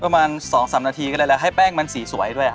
ประมาณสองสามนาทีก็ได้เลยแล้วให้แป้งมันสีสวยด้วยค่ะ